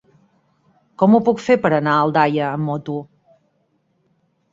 Com ho puc fer per anar a Aldaia amb moto?